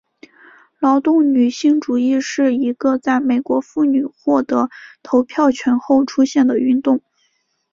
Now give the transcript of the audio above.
劳动女性主义是一个在美国妇女获得投票权后出现的运动。